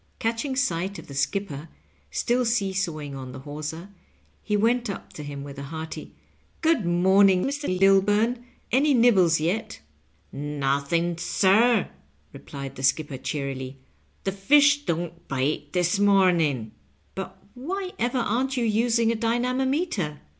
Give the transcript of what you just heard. Catching sight of the skipper, stiU seesawing on the hawser, he went up to him with a hearty, " Good morning, Mr. lalbum ; any nibbles yet %" "Nothing, sir," replied the skipper, cheerily; "the fish don't bite this morning.'* " But why ever aren't you using a dynamometer